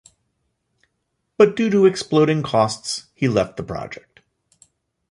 But due to exploding costs, he left the project.